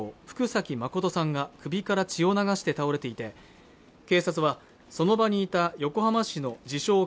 福崎誠さんが首から血を流して倒れていて警察はその場にいた横浜市の自称